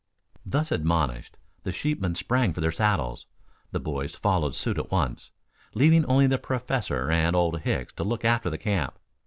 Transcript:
Thus admonished, the sheepmen sprang for their saddles. The boys followed suit at once, leaving only the Professor and Old Hicks to look after the camp.